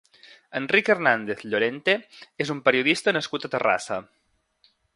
Enric Hernàndez Llorente és un periodista nascut a Terrassa.